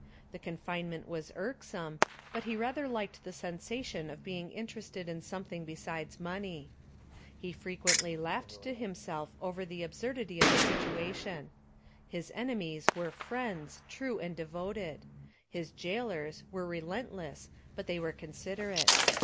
The confinement was irksome, but he rather liked the sensation of being interested in something besides money. He frequently laughed to himself over the absurdity of the situation. His enemies were friends, true and devoted; his gaolers were relentless but they were considerate.